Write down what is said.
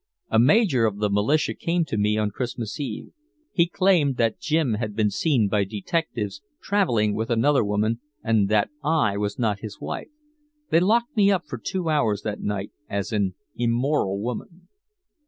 A major of the militia came to me on Christmas Eve. He claimed that Jim had been seen by detectives traveling with another woman and that I was not his wife. They locked me up for two hours that night as an immoral woman."